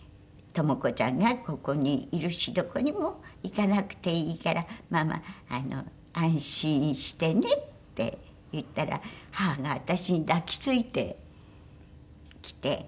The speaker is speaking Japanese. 「トモ子ちゃんがここにいるしどこにも行かなくていいからママ安心してね」って言ったら母が私に抱き付いてきて。